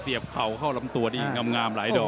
เข่าเข้าลำตัวนี่งามหลายดอก